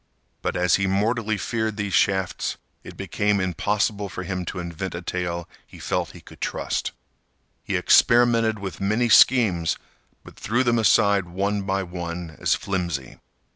But, as he mortally feared these shafts, it became impossible for him to invent a tale he felt he could trust. He experimented with many schemes, but threw them aside one by one as flimsy.